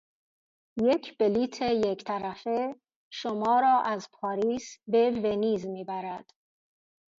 یک بلیت یک طرفه شما را از پاریس به ونیز میبرد.